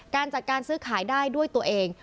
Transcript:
การจัดการซื้อขายได้ด้วยตัวเอง